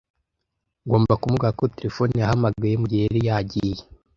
Ngomba kumubwira ko terefone yahamagaye mugihe yari yagiye.